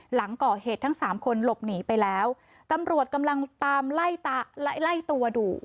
หลังก่อเหตุทั้งสามคนหลบหนีไปแล้วตำรวจกำลังตามไล่ไล่ตัวดู